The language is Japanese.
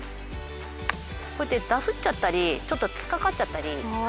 こうやってダフっちゃったりちょっと突っかかっちゃったり。